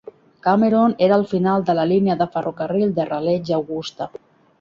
Cameron era al final de la línia de ferrocarril de Raleigh i Augusta.